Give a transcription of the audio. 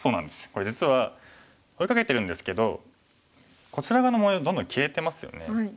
これ実は追いかけてるんですけどこちら側の模様どんどん消えてますよね。